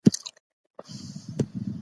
علم د بشري تجربو د پیژندلو پراخه وسیله ده.